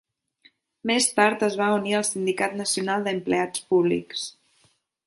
Més tard es va unir al Sindicat Nacional d'Empleats Públics.